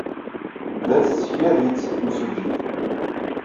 Tebda yessekyad-itt temsujjit.